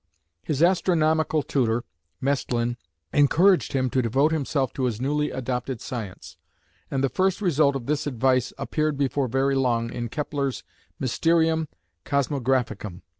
His astronomical tutor, Maestlin, encouraged him to devote himself to his newly adopted science, and the first result of this advice appeared before very long in Kepler's "Mysterium Cosmographicum".